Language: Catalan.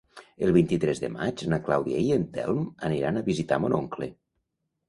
El vint-i-tres de maig na Clàudia i en Telm aniran a visitar mon oncle.